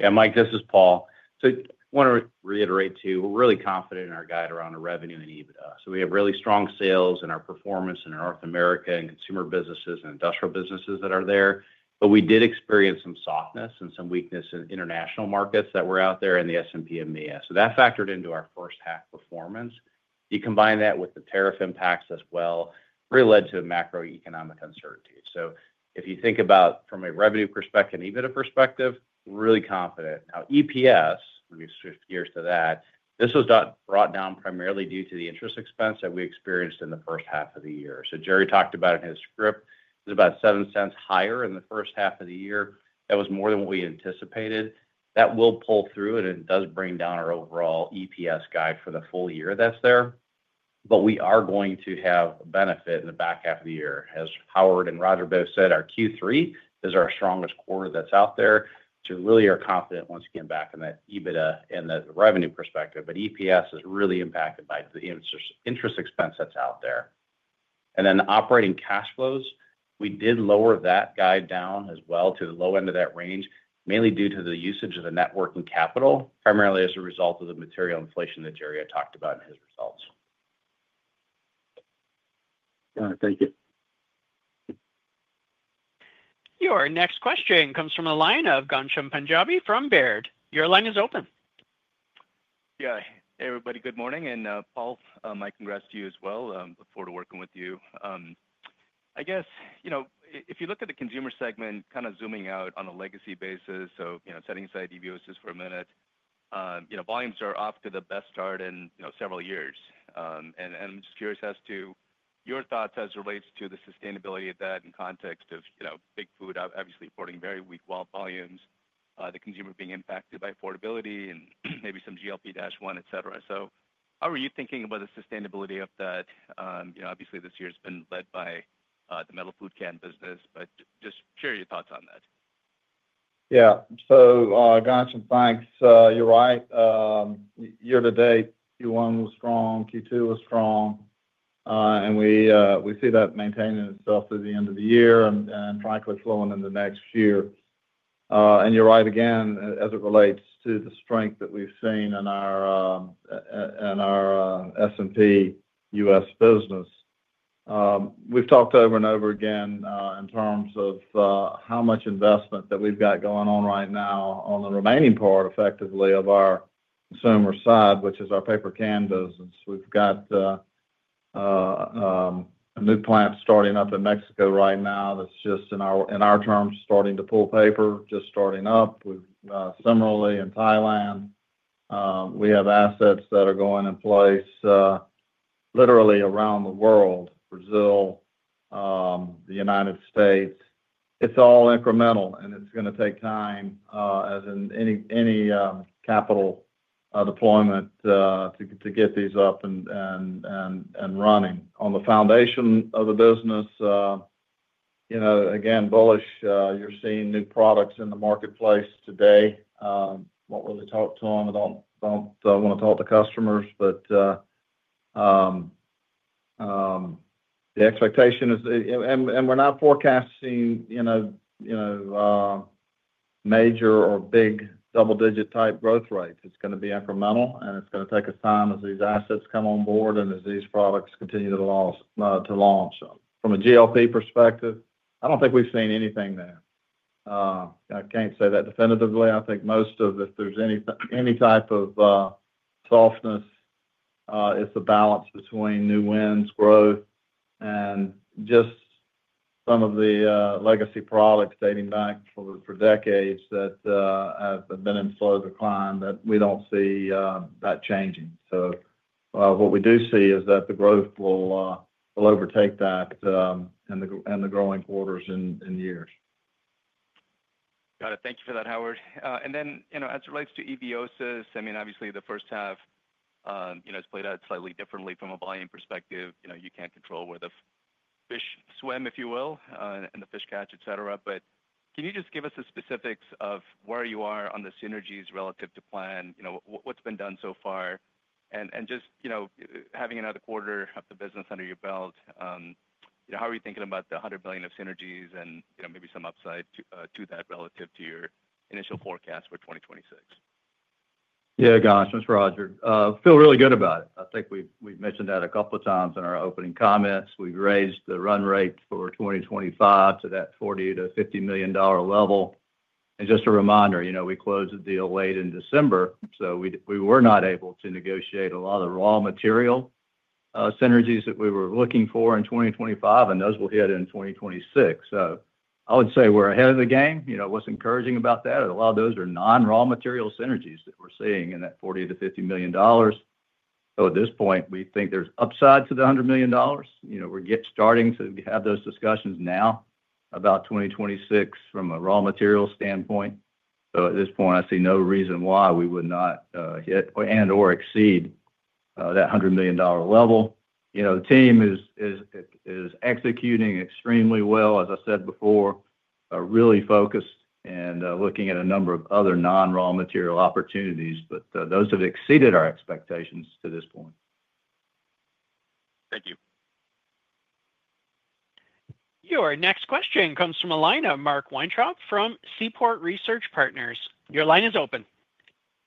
Yes, Mike, this is Paul. So I want to reiterate too, we're really confident in our guide around the revenue and EBITDA. So we have really strong sales in our performance in North America and consumer businesses and industrial businesses that are there. But we did experience some softness and some weakness in international markets that were out there in the S And P EMEA. So that factored into our first half performance. You combine that with the tariff impacts as well, really led to a macroeconomic uncertainty. So if you think about from a revenue perspective and EBITDA perspective, really confident. Now EPS, let me switch gears to that, this was brought down primarily due to the interest expense that we experienced in the first half of the year. So Jerry talked about it in his script, it's about $07 higher in the first half of the year. That was more than we anticipated. That will pull through, and it does bring down our overall EPS guide for the full year that's there. But we are going to have benefit in the back half of the year. As Howard and Roger both said, our Q3 is our strongest quarter that's out there. So we really are confident once again back on that EBITDA and the revenue perspective. But EPS is really impacted by the interest expense that's out there. And then operating cash flows, we did lower that guide down as well to the low end of that range, mainly due to the usage of the net working capital, primarily as a result of the material inflation that Gerry had talked about in his results. Got it. Thank you. Your next question comes from the line of Ghansham Panjabi from Baird. Your line is open. Yes. Hey, everybody. Good morning. And Paul, my congrats to you as well. Look forward to working with you. I guess, if you look at the consumer segment kind of zooming out on a legacy basis, so setting aside EVOS just for a minute, volumes are off to the best start in several years. And I'm just curious as to your thoughts as it relates to the sustainability of that in context of big food obviously reporting very weak well volumes, the consumer being impacted by affordability and maybe some GLP-one, etcetera. So how are you thinking about the sustainability of that? Obviously, this year has been led by the metal food can business, but just share your thoughts on that. Yes. Ghansham, thanks. You're right. Year to date, Q1 was strong, Q2 was strong and we see that maintaining itself through the end of the year and frankly flowing into next year. And you're right again as it relates to the strength that we've seen in our S and P U. S. Business. We've talked over and over again in terms of how much investment that we've got going on right now on the remaining part effectively of our consumer side, which is our paper can business. We've got a new plant starting up in Mexico right now that's just in our terms starting to pull paper, just starting up with similarly in Thailand. We have assets that are going in place literally around the world, Brazil, The United States. It's all incremental and it's going to take time as in any capital deployment to get these up and running. On the foundation of the business, again bullish, you're seeing new products in the marketplace today. I won't really talk to them. I don't want to talk to customers. But the expectation is and we're not forecasting major or big double digit type growth rate. It's going to be incremental and it's going to take us time as these assets come on board and as these products continue to launch. From a GLP perspective, I don't think we've seen anything there. I can't say that definitively. I think most of it, if there's any type of softness, it's the balance between new wins, growth and just some of the legacy products dating back for decades that have been in slow decline that we don't see that changing. So what we do see is that the growth will overtake that in the growing quarters in years. Got it. Thanks for that Howard. And then as it relates to Ebiosis, I mean obviously the first half is played out slightly differently from a volume perspective. You can't control where the fish swim, if you will, and the fish catch, etcetera. But can you just give us the specifics of where you are on the synergies relative to plan? What's been done so far? And just having another quarter of the business under your belt, how are you thinking about the $100,000,000,000 of synergies and maybe some upside to that relative to your initial forecast for 2026? Yes, Ghansham, it's Roger. Feel really good about it. I think we've mentioned that a couple of times in our opening comments. We've raised the run rate for 2025 to that 40,000,000 to $50,000,000 level. And just a reminder, we closed the deal late in December, so we were not able to negotiate a lot of raw material synergies that we were looking for in 2025 and those will hit in 2026. So I would say we're ahead of the game. What's encouraging about that, a lot of those are non raw material synergies that we're seeing in that 40,000,000 to $50,000,000 So at this point, we think there's upside to the $100,000,000 We're starting to have those discussions now about 2026 from a raw material standpoint. So at this point, I see no reason why we would not hit and or exceed that $100,000,000 level. The team is executing extremely well, as I said before, really focused and looking at a number of other non raw material opportunities but those have exceeded our expectations to this point. Thank you. Your next question comes from the line of Marc Weintraub from Seaport Research Partners. Your line is open.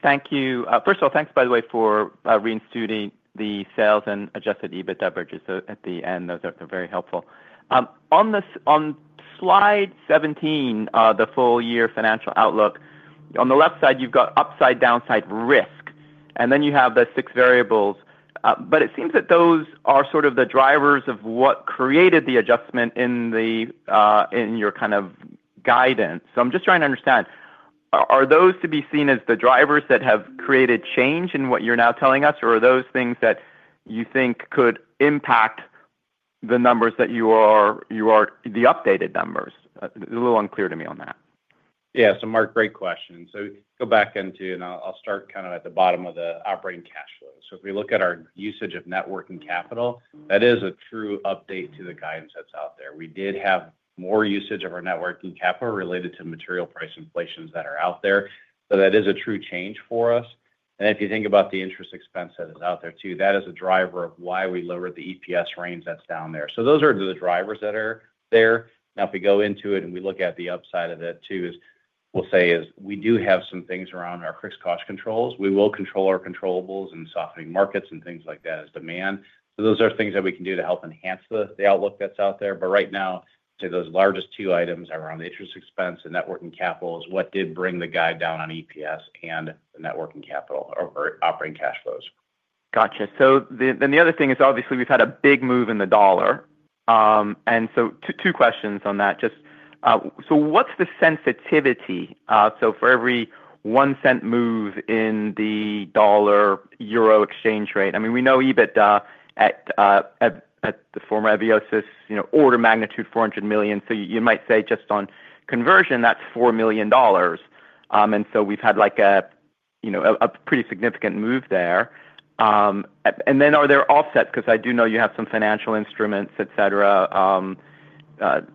Thank you. First of all, thanks by the way for reinstating the sales and adjusted EBITDA bridges at the end. Those are very helpful. On Slide 17, the full year financial outlook, on the left side, you've got upside downside risk and then you have the six variables. But it seems that those are sort of the drivers of what created the adjustment in the in your kind of guidance. So I'm just trying to understand, are those to be seen as the drivers that have created change in what you're now telling us? Or are those things that you think could impact the numbers that you are you are the updated numbers? A little unclear to me on that. Yeah. So, Mark, great question. So go back into, and I'll I'll start kind of at the bottom of the operating cash flow. So if we look at our usage of net working capital, that is a true update to the guidance that's out there. We did have more usage of our net working capital related to material price inflations that are out there, but that is a true change for us. If you think about the interest expense that is out there too, that is a driver of why we lowered the EPS range that's down there. So those are the drivers that are there. Now if we go into it and we look at the upside of it too, we'll say we do have some things around our fixed cost controls. We will control our controllables and softening markets and things like that as demand. So those are things that we can do to help enhance the outlook that's out there. But right now, to those largest two items around the interest expense and net working capital is what did bring the guide down on EPS and the net working capital or operating cash flows. Got you. So then the other thing is obviously we've had a big move in the dollar. And so two questions on that. Just so what's the sensitivity? So for every $01 move in the dollar euro exchange rate, I mean we know EBITDA at the former Ebiosis order of magnitude $400,000,000 So you might say just on conversion that's $4,000,000 And so we've had like a pretty significant move there. And then are there offsets? Because I do know you have some financial instruments, etcetera,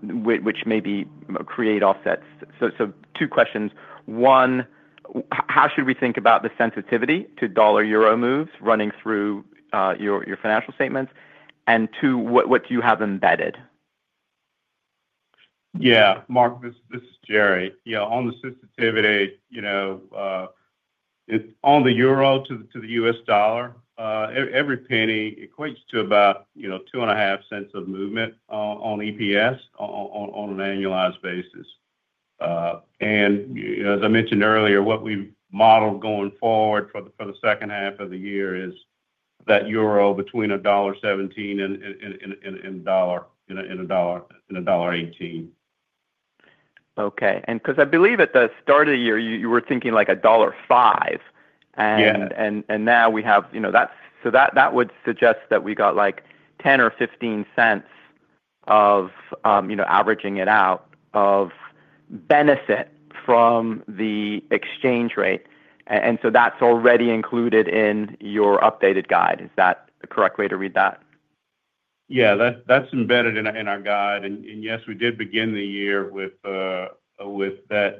which may be create offsets. So two questions. One, how should we think about the sensitivity to dollar euro moves running through your financial statements? And two, what do you have embedded? Yes. Mark, this is Jerry. On the sensitivity, on the euro to the U. S. Dollar, every penny equates to about $0.25 of movement on EPS on an annualized basis. And as I mentioned earlier, what we've modeled going forward for second half of the year is that euro between $1.17 and $1.18 Okay. And because I believe at the start of the year, you were thinking like 1.05 And now we have that's so that would suggest that we got like $0.10 or $0.15 of averaging it out of benefit from the exchange rate. And so that's already included in your updated guide. Is that the correct way to read that? Yes. That's embedded in our guide. And yes, we did begin the year with that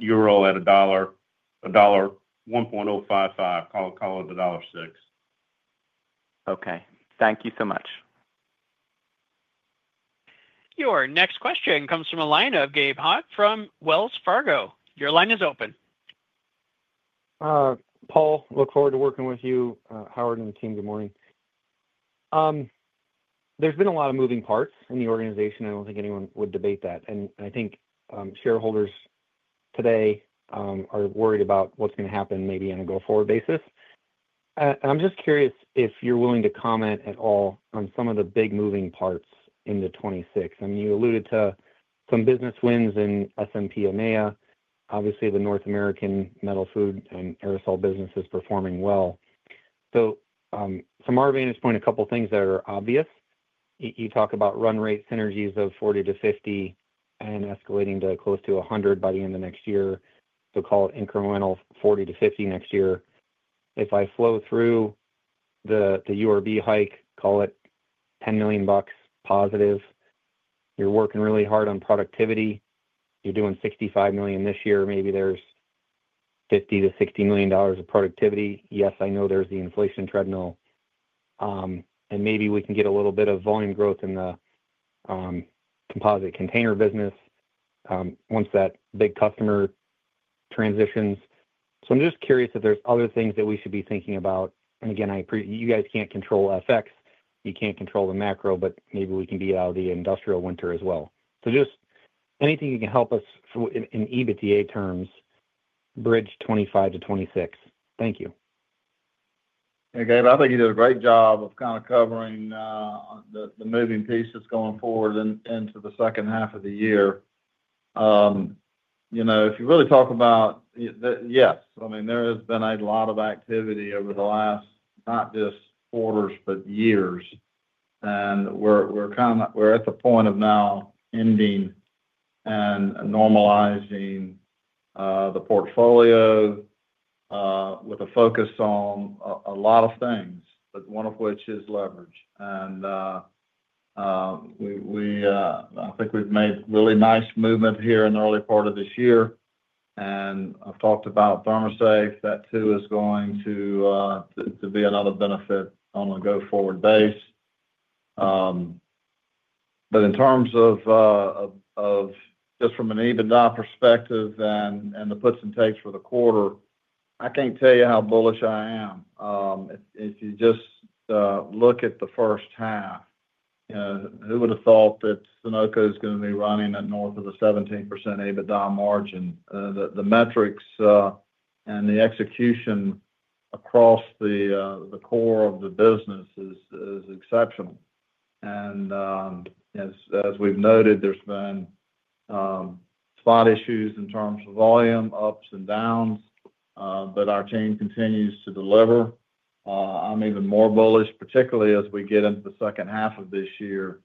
euro at 1.055 call it $1.6 Okay. Thank you so much. Your next question comes from the line of Gabe Hock from Wells Fargo. Your line is open. Paul, look forward to working with you. Howard and the team, good morning. There's been a lot of moving parts in the organization. I don't think anyone would debate that. And I think shareholders today are worried about what's going to happen maybe on a go forward basis. And I'm just curious if you're willing to comment at all on some of the big moving parts in the '26. And you alluded to some business wins in SMP EMEA. Obviously, the North American metal food and aerosol business is performing well. So from our vantage point, a couple of things that are obvious. You talk about run rate synergies of 40 to 50 and escalating to close to 100,000,000 by the end of next year, so call it incremental 40,000,000 to 50,000,000 next year. If I flow through the URB hike, call it $10,000,000 positive, you're working really hard on productivity, You're doing $65,000,000 this year. Maybe there's 50,000,000 to $60,000,000 of productivity. Yes, know there's the inflation treadmill. And maybe we can get a little bit of volume growth in the composite container business once that big customer transitions. So I'm just curious if there's other things that we should be thinking about. And again, appreciate you guys can't control FX, you can't control the macro, but maybe we can be out of the industrial winter as well. So just anything you can help us in EBITDA terms bridge 25% to 26%? You. Gabe. I think you did a great job of kind of covering the moving pieces going forward into the second half of the year. If you really talk about yes, I mean there has been a lot of activity over the last not just quarters but years. And we're kind of we're at the point of now ending and normalizing the portfolio with a focus on a lot of things, but one of which is leverage. And we think we've made really nice movement here in the early part of this year. And I've talked about ThermoSafe. That too is going to be another benefit on a go forward base. But in terms of just from an EBITDA perspective and the puts and takes for the quarter, I can't tell you how bullish I am. If you just look at the first half, who would have thought that Sunoco is going be running at north of the 17% EBITDA margin. The metrics and the execution across the core of the business is exceptional. And as we've noted, there's been spot issues in terms of volume, ups and downs, but our team continues to deliver. I'm even more bullish, particularly as we get into the second half of this year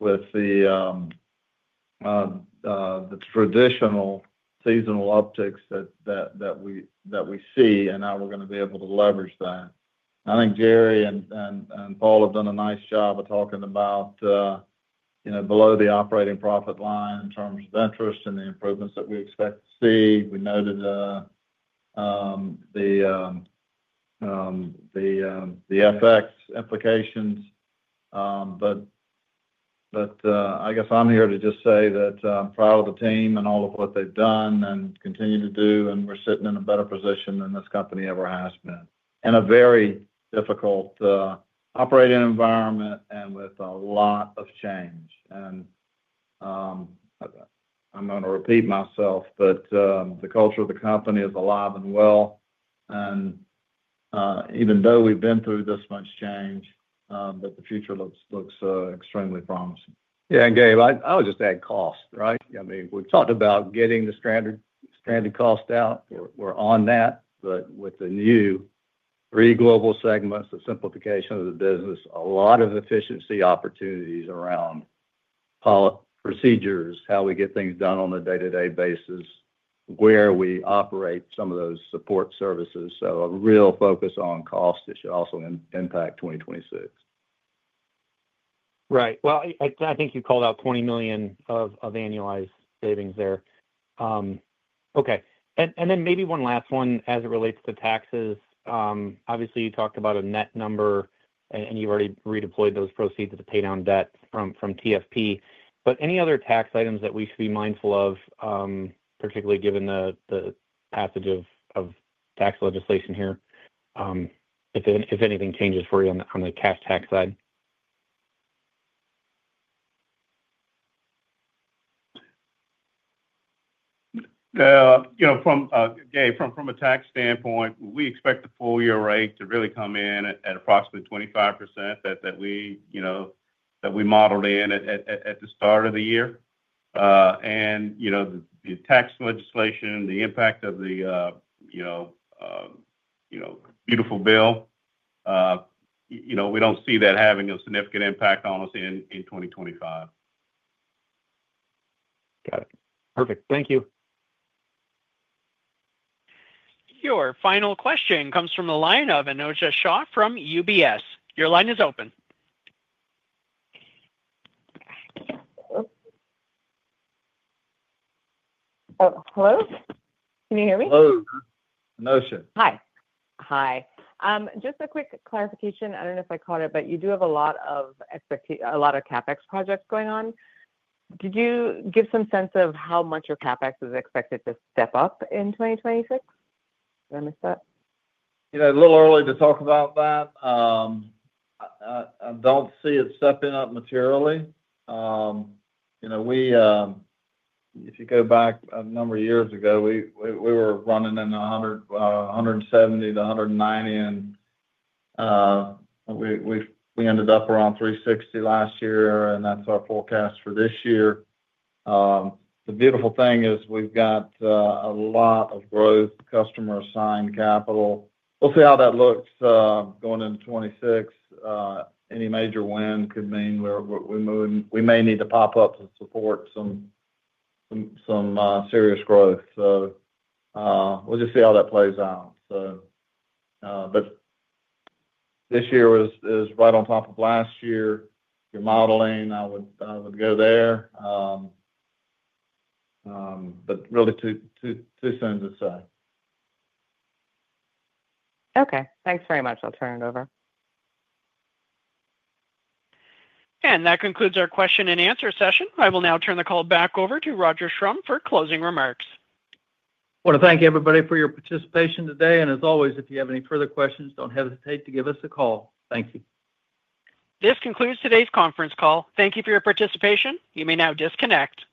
with the traditional seasonal upticks that we see and how we're going to be able to leverage that. I think Jerry and Paul have done a nice job of talking about below the operating profit line in terms of interest and the improvements that we expect to see. We noted the FX implications. But I guess I'm here to just say that I'm proud of the team and all of what they've done and continue to do and we're sitting in a better position than this company ever has been in a very difficult operating environment and with a lot of change. And I'm going to repeat myself, but the culture of the company is alive and well. And even though we've been through this much change, but the future looks extremely promising. Yes. And Gabe, I would just add cost, right? I mean, we've talked about getting the stranded cost out. We're on that. But with the new three global segments, the simplification of the business, a lot of efficiency opportunities around procedures, how we get things done on a day to day basis, where we operate some of those support services. So a real focus on cost that should also impact 2026. Right. Well, I think you called out $20,000,000 of annualized savings there. Okay. And then maybe one last one as it relates to taxes. Obviously, you talked about a net number and you've already redeployed those proceeds to pay down debt from TFP. But any other tax items that we should be mindful of, particularly given the passage of tax legislation here, if anything changes for you on the cash tax side? A tax standpoint, we expect the full year rate to really come in at approximately 25 that we modeled in at the start of the year. And the tax legislation, the impact of the beautiful bill, we don't see that having a significant impact on us in 2025. Got it. Perfect. Thank you. Your final question comes from the line of Inoja Shah from UBS. Your line is open. Hello? Can you hear me? Hello. Notion. Hi. Hi. Just a quick clarification. I don't know if I caught it, but you do have a lot of a lot of CapEx projects going on. Did you give some sense of how much your CapEx is expected to step up in 2026? Did I miss that? A little early to talk about that. I don't see it stepping up materially. We if you go back a number of years ago, were running in January to January and we ended up around $360,000,000 last year and that's our forecast for this year. The beautiful thing is we've got a lot of growth customer assigned capital. We'll see how that looks going into 2026. Any major win could mean we may need to pop up to support some serious growth. So we'll just see how that plays out. But this year is right on top of last year. Your modeling, I would go there, but really too soon to say. Okay. Thanks very much. I'll turn it over. And that concludes our question and answer session. I will now turn the call back over to Roger Schrum for closing remarks. I want to thank everybody for your participation today. And as always, if you have any further questions, don't hesitate to give us a call. Thank you. This concludes today's conference call. Thank you for your participation. You may now disconnect.